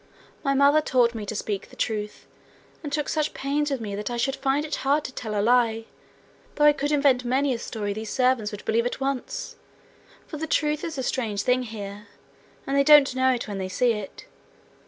My mother taught me to speak the truth, and took such pains with me that I should find it hard to tell a lie, though I could invent many a story these servants would believe at once; for the truth is a strange thing here, and they don't know it when they see it.